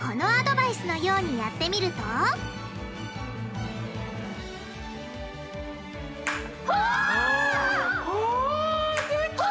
このアドバイスのようにやってみるとわできた！